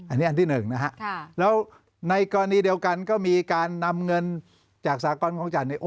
อันนี้อันที่หนึ่งนะฮะแล้วในกรณีเดียวกันก็มีการนำเงินจากสากรของจันทร์